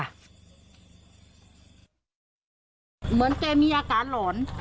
เหมือนแกมีอาการหลอน